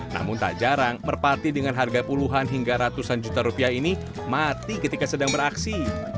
namun tak jarang merpati dengan harga puluhan hingga ratusan juta rupiah ini mati ketika sedang beraksi